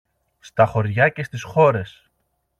στα χωριά και στις χώρες.